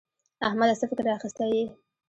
احمده څه فکر اخيستی يې؟